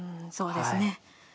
うんそうですね。